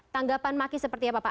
tanggapan maki seperti apa pak